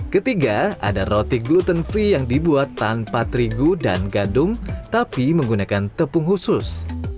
ketiga ada roti gluten free yang dibuat tanpa terigu dan gadung tapi menggunakan tepung khusus